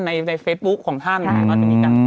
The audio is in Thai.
ในเฟซบุ๊กของท่านนะคะมันจะมีการ